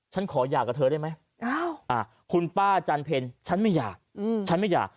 ฉันขอหย่ากับเธอได้ไหมคุณป้าจันเพลฉันไม่อยากฉันไม่อยาก